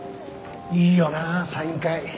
いいよなサイン会